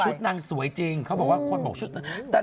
นางสวยจริงเขาบอกว่าคนบอกชุดนั้น